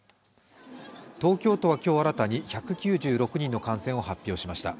東京都は今日新たに１９６人の感染を発表しました。